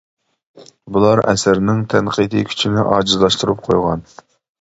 بۇلار ئەسەرنىڭ تەنقىدىي كۈچىنى ئاجىزلاشتۇرۇپ قويغان.